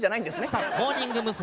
さあモーニング娘。